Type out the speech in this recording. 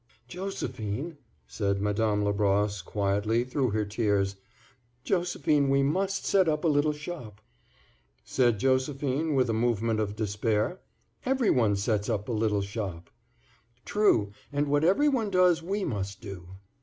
"JOSEPHINE," said Madame Labrosse, quietly, through her tears—"Josephine, we must set up a little shop." Said Josephine, with a movement of despair, "Every one sets up a little shop." "True, and what every one does we must do."